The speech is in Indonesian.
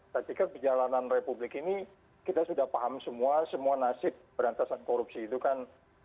saya pikir perjalanan republik ini kita sudah paham semua semua nasib berantasan korupsi itu kan